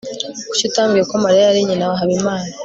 kuki utambwiye ko mariya yari nyina wa habimana